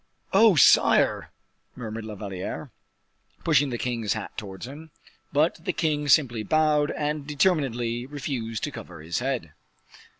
"Oh, sire!" murmured La Valliere, pushing the king's hat towards him. But the king simply bowed, and determinedly refused to cover his head.